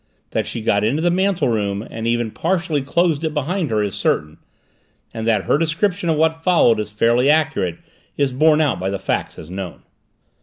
That she got into the mantel room and even partially closed it behind her is certain, and that her description of what followed is fairly accurate is borne out by the facts as known.